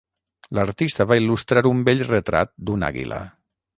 L'artista va il·lustrar un bell retrat d'una àguila.